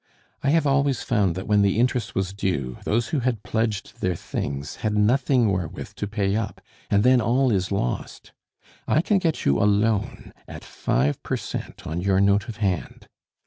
I have always found that when the interest was due, those who had pledged their things had nothing wherewith to pay up, and then all is lost. I can get you a loan at five per cent on your note of hand."